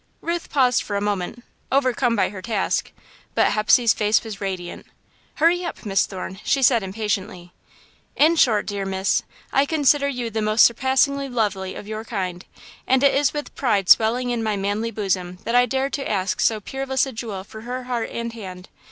Ruth paused for a moment, overcome by her task, but Hepsey's face was radiant. "Hurry up, Miss Thorne," she said, impatiently. "In short, Dear Miss, I consider you the most surpassingly lovely of your kind, and it is with pride swelling in my manly bosom that I dare to ask so peerless a jewel for her heart and hand.